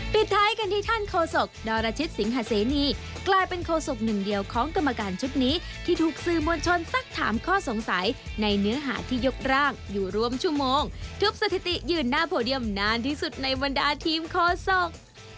ปิดท้ายกันที่ท่านโฆษกดรชิตสิงหาเสนีกลายเป็นโคศกหนึ่งเดียวของกรรมการชุดนี้ที่ถูกสื่อมวลชนสักถามข้อสงสัยในเนื้อหาที่ยกร่างอยู่รวมชั่วโมงทุบสถิติยืนหน้าโพเดียมนานที่สุดในบรรดาทีมโคศก